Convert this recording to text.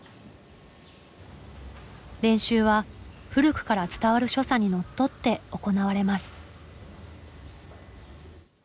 練習は古くから伝わる所作にのっとって行われます。